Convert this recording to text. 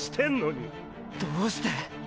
どうして。